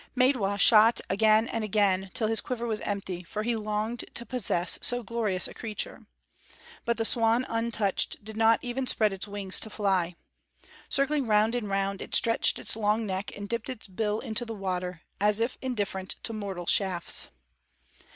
Maidwa shot again and again, till his quiver was empty, for he longed to possess so glorious a creature. But the swan, untouched, did not even spread its wings to fly. Circling round and round, it stretched its long neck and dipped its bill into the water, as if indifferent to mortal shafts.